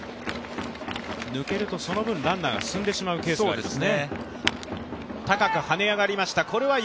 抜けるとその分ランナーが進んでくれないケースがあります